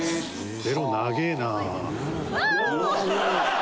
ベロ長えな。